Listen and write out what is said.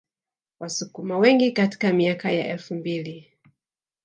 Wasukuma wengi katika miaka ya elfu mbili